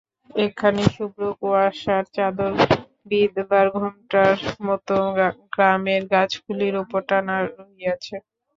একখানি শুভ্র কুয়াশার চাদর বিধবার ঘোমটার মতো গ্রামের গাছগুলির উপর টানা রহিয়াছে।